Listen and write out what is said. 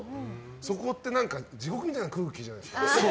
そこって何か、地獄みたいな空気じゃないですか？